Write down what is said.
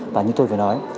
và như tôi vừa nói